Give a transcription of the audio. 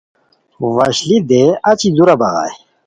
وشلی دے اچی دُورہ بغائے